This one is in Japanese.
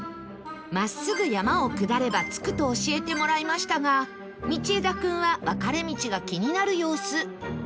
真っすぐ山を下れば着くと教えてもらいましたが道枝君は分かれ道が気になる様子